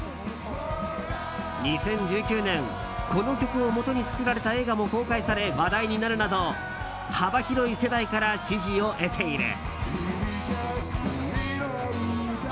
２０１９年、この曲をもとに作られた映画も公開され話題となるなど幅広い世代から支持を得ている。